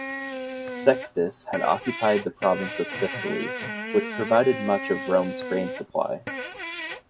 Sextus had occupied the province of Sicily, which provided much of Rome's grain supply.